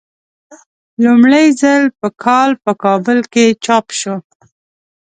لومړی ځل په کال په کابل کې چاپ شوی.